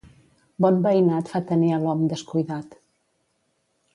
Bon veïnat fa tenir a l'hom descuidat.